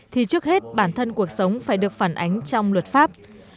thì trước hết bản thân cuộc sống phải được phản ánh trong luật pháp